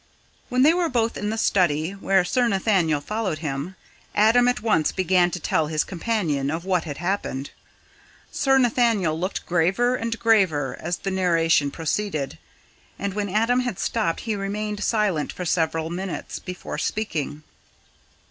When they were both in the study, where Sir Nathaniel followed him, Adam at once began to tell his companion of what had happened. Sir Nathaniel looked graver and graver as the narration proceeded, and when Adam had stopped he remained silent for several minutes, before speaking.